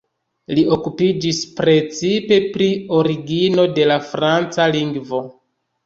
Li okupiĝis precipe pri origino de la franca lingvo.